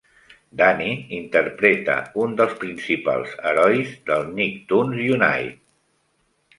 Danny interpreta un dels principals herois del Nicktoons Unite!